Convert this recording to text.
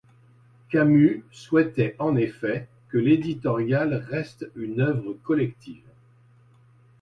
Camus souhaitait en effet que l'éditorial reste une œuvre collective.